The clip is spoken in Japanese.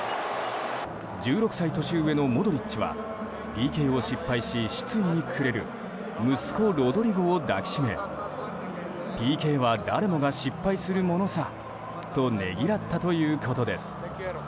１６歳年上のモドリッチはＰＫを失敗し失意に暮れる息子ロドリゴを抱きしめＰＫは誰もが失敗するものさとねぎらったということです。